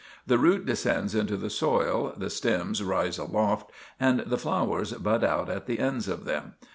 The root descends into the soil, the stems rise aloft, and the flowers bud out at the ends of them.